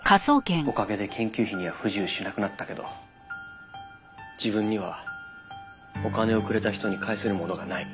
おかげで研究費には不自由しなくなったけど自分にはお金をくれた人に返せるものがない。